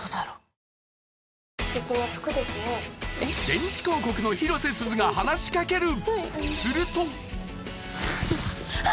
電子広告の広瀬すずが話しかける！